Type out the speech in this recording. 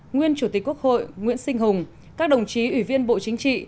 nguyên chủ tịch quốc hội nguyễn sinh hùng các đồng chí ủy viên bộ chính trị